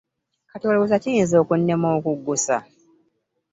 Kati olowooza kiyinza okunnema okuggusa?